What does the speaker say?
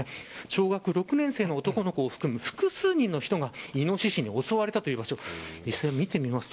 小学６年生の男の子を含む複数人の人がイノシシに襲われたといいます。